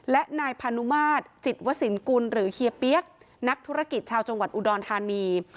และนายพานุมาตรจิตวสินกุลหรือเฮียเปี๊ยกนักธุรกิจชาวจังหวัดอุดรธานี